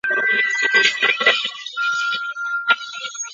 莫尔普雷。